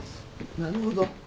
なるほど。